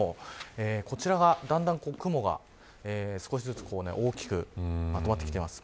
こちらが、だんだん雲が少しずつ大きくまとまってきています。